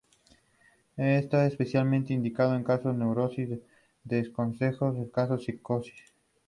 Está especialmente indicado en casos de neurosis, pero desaconsejado en casos de psicosis.